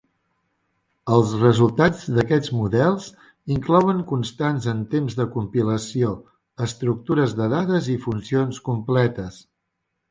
Els resultats d'aquests models inclouen constants en temps de compilació, estructures de dades i funcions completes.